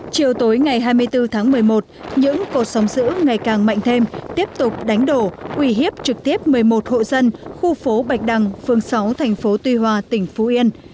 trong những ngày qua chiều tối ngày hai mươi bốn tháng một mươi một những cột sóng giữ ngày càng mạnh thêm tiếp tục đánh đổ uy hiếp trực tiếp một mươi một hộ dân khu phố bạch đăng phương sáu thành phố tuy hòa tỉnh vũ yên